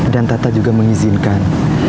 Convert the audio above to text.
dan tata juga mengizinkan